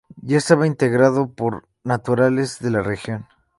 Ya estaba integrado sólo por naturales de la región.